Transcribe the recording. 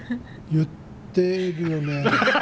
言ってるよね。